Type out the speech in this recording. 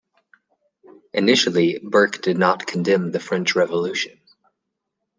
Initially, Burke did not condemn the French Revolution.